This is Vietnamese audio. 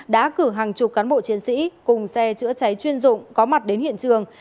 đã cử hàng chục cán bộ chiến sĩ cùng xe chữa cháy chuyên dụng có mặt đến hiện trường